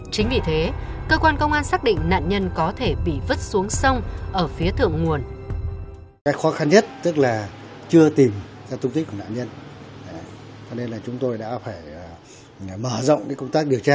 chính vì thế cơ quan công an xác định nạn nhân có thể bị vứt xuống sông ở phía thượng nguồn